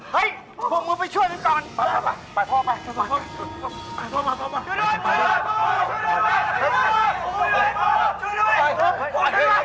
พี่ป๋องครับผมเคยไปที่บ้านผีคลั่งมาแล้ว